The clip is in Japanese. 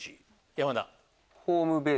山田。